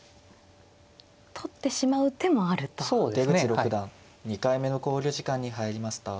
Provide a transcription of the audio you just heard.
出口六段２回目の考慮時間に入りました。